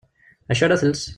D acu ara tles?